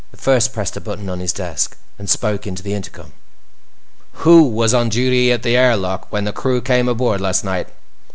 The First pressed a button on his desk and spoke into the intercom. "Who was on duty at the airlock when the crew came aboard last night?